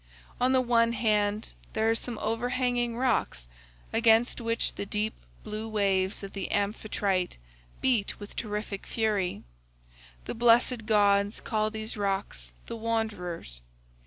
On the one hand there are some overhanging rocks against which the deep blue waves of Amphitrite beat with terrific fury; the blessed gods call these rocks the Wanderers.